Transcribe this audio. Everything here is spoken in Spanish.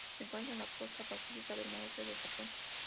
Se encuentra en la costa pacífica del norte del Japón.